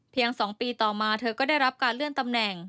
๒ปีต่อมาเธอก็ได้รับการเลื่อนตำแหน่ง